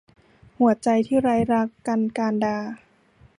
หัวใจที่ไร้รัก - กันย์ กานดา